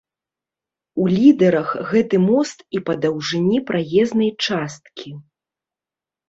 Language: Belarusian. У лідэрах гэты мост і па даўжыні праезнай часткі.